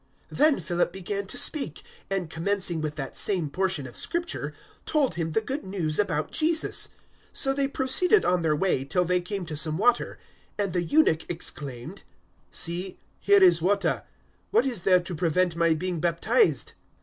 008:035 Then Philip began to speak, and, commencing with that same portion of Scripture, told him the Good News about Jesus. 008:036 So they proceeded on their way till they came to some water; and the eunuch exclaimed, "See, here is water; what is there to prevent my being baptized?"